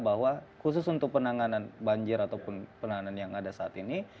bahwa khusus untuk penanganan banjir ataupun penanganan yang ada saat ini